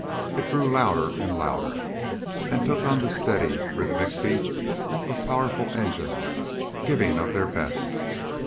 It grew louder and louder, and took on the steady, rhythmic beat of powerful engines giving of their best.